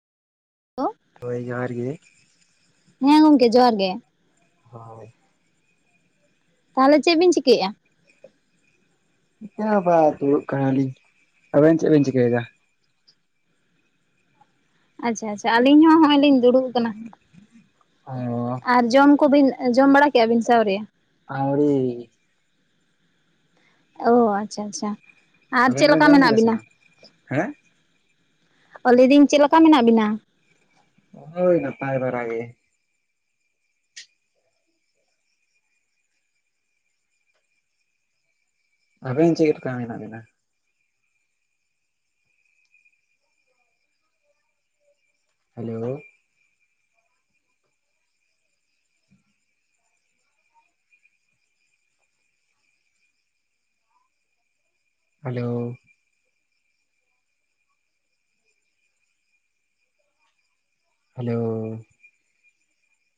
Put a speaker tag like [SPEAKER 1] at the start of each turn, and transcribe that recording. [SPEAKER 1] [unintelligible]
[SPEAKER 2] ᱦᱳᱭ ᱡᱚᱦᱟᱨ ᱜᱮ᱾
[SPEAKER 1] ᱦᱮᱸ ᱜᱚᱝᱠᱮ ᱡᱚᱦᱟᱨ ᱜᱮ᱾
[SPEAKER 2] [unintelligible]
[SPEAKER 1] ᱛᱟᱦᱚᱞᱮ ᱪᱮᱫᱽ ᱵᱤᱱ ᱪᱤᱠᱟᱹ ᱮᱜᱼᱟ?
[SPEAKER 2] ᱪᱤᱠᱟᱹ ᱦᱚ ᱵᱟᱝ ᱫᱩᱲᱩᱵ ᱠᱟᱱᱟᱞᱤᱧ ᱟᱵᱮᱱ ᱪᱮᱫ ᱵᱮᱱ ᱪᱤᱠᱟᱹᱭᱮᱫᱟ?
[SPEAKER 1] ᱟᱪᱪᱷᱟ ᱟᱪᱪᱷᱟ ᱟᱹᱞᱤᱧ ᱦᱚᱸ ᱱᱚᱜᱼᱚᱭ ᱞᱤᱧ ᱫᱩᱲᱩᱵ ᱟᱠᱟᱱᱟ᱾
[SPEAKER 2] ᱚ
[SPEAKER 1] ᱟᱨ ᱡᱚᱢ ᱠᱚᱵᱤᱱ ᱡᱚᱢ ᱵᱟᱲᱟ ᱠᱮᱫᱼᱟ ᱵᱤᱱ ᱥᱮ ᱟᱶᱨᱤ?
[SPEAKER 2] ᱟᱶᱨᱤ᱾
[SPEAKER 1] ᱳ ᱟᱪᱪᱷᱟ ᱟᱪᱪᱷᱟ ᱟᱨ
[SPEAKER 2] ᱟᱵᱮᱱ
[SPEAKER 1] ᱪᱮᱫ
[SPEAKER 2] ᱵᱮᱱ
[SPEAKER 1] ᱞᱮᱠᱟ
[SPEAKER 2] ᱡᱚᱢ
[SPEAKER 1] ᱢᱮᱱᱟᱜ
[SPEAKER 2] ᱠᱮᱫᱟ ᱥᱮ
[SPEAKER 1] ᱵᱤᱱᱟ?
[SPEAKER 2] ᱵᱟᱝ ᱦᱮᱸ?
[SPEAKER 1] ᱚ ᱞᱟ. ᱭ ᱫᱤᱧ ᱪᱮᱫ ᱞᱮᱠᱟ ᱢᱮᱱᱟᱜ ᱵᱤᱱᱟ?
[SPEAKER 2] ᱦᱳᱭ ᱱᱟᱯᱟᱭ ᱵᱟᱲᱟ ᱜᱮ᱾ ᱟᱵᱮᱱ ᱪᱮᱫ ᱞᱮᱠᱟ ᱢᱮᱱᱟᱜ ᱵᱤᱱᱟ᱾ ᱦᱮᱞᱳ? ᱦᱮᱞᱳ? ᱦᱮᱞᱳ?